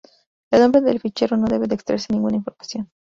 Del nombre del fichero no debe de extraerse ninguna información.